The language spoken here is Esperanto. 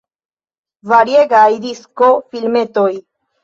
Variegaj disko-filmetoj.